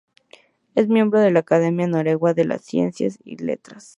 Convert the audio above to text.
Es miembro de la Academia Noruega de Ciencia y Letras.